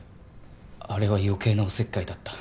あれは余計なおせっかいだった。